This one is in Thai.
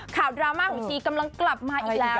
ดราม่าของชีกำลังกลับมาอีกแล้ว